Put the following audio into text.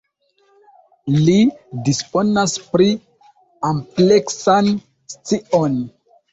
Li disponas pri ampleksan scion.